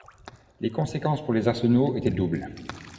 Les conséquences pour les arsenaux étaient doubles.